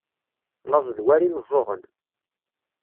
Laẓ d war imeẓẓuɣen.